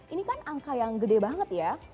ini kan angka yang gede banget ya